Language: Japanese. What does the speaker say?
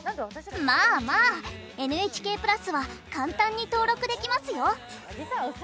まあまあＮＨＫプラスは簡単に登録できますよ。